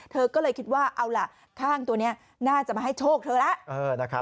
เธอก็เลยคิดว่าเอาล่ะข้างตัวนี้น่าจะมาให้โชคเธอแล้ว